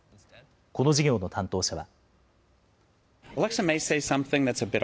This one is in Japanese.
この事業の担当者は。